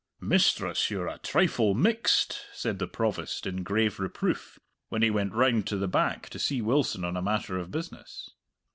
"Mistress, you're a trifle mixed," said the Provost in grave reproof, when he went round to the back to see Wilson on a matter of business.